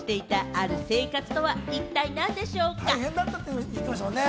大変だって言ってましたもんね。